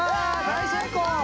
大成功！